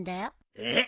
えっ？